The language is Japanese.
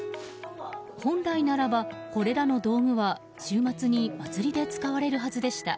本来ならばこれらの道具は週末に祭で使われるはずでした。